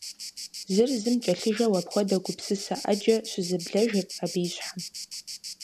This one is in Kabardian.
Зыр зым кӏэлъыжэу апхуэдэ гупсысэ ӏэджэ щызэблэжырт абы и щхьэм.